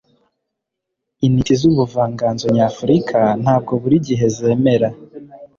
intiti z'ubuvanganzo nyafurika ntabwo buri gihe zemera